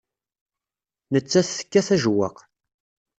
Nettat tekkat ajewwaq.